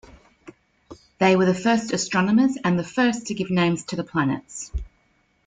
They were the first astronomers and the first to give names to the planets.